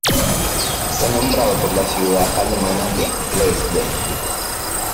Está nombrado por la ciudad alemana de Dresde.